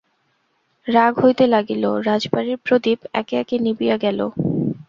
রাত হইতে লাগিল, রাজবাড়ির প্রদীপ একে একে নিবিয়া গেল।